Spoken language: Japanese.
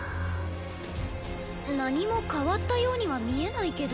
何も変わったようには見えないけど。